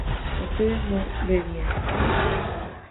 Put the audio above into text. ustedes no bebían